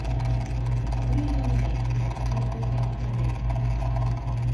Күрмәйһеңме ни: бер һүҙ әйттермәй!